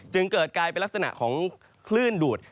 เกิดกลายเป็นลักษณะของคลื่นดูด